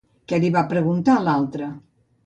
Què li va preguntar l'altre?